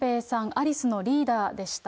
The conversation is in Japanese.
アリスのリーダーでした。